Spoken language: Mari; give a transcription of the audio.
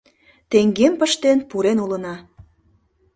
Теҥгем пыштен пурен улына.